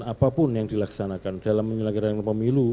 apapun yang dilaksanakan dalam menyelenggarakan pemilu